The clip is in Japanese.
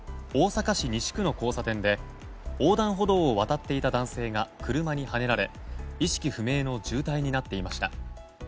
大阪市西区の交差点で横断歩道を渡っていた男性が車にはねられ意識不明の重体になっていました。